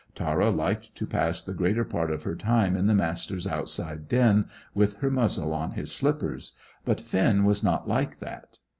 Tara liked to pass the greater part of her time in the Master's outside den with her muzzle on his slippers, but Finn was not like that.